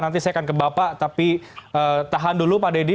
nanti saya akan ke bapak tapi tahan dulu pak deddy